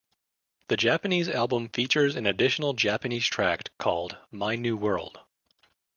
The Japanese album features an additional Japanese track called ""My New World"".